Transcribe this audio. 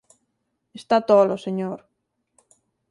Está tolo, señor.